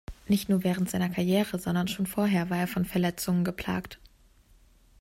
Nicht nur während seiner Karriere, sondern schon vorher war er von Verletzungen geplagt.